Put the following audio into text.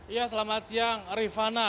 iya selamat siang rifana